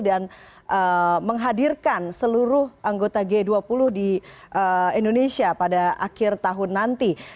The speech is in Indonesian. dan menghadirkan seluruh anggota g dua puluh di indonesia pada akhir tahun nanti